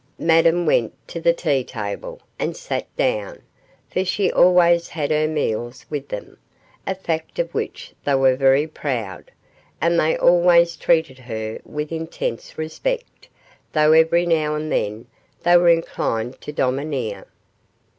Madame went to the tea table and sat down, for she always had her meals with them, a fact of which they were very proud, and they always treated her with intense respect, though every now and then they were inclined to domineer.